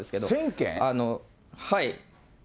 はい。